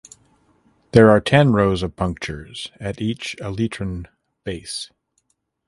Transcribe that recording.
There are ten rows of punctures at each elytron base.